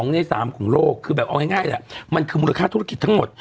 ใน๓ของโลกคือแบบเอาง่ายแหละมันคือมูลค่าธุรกิจทั้งหมด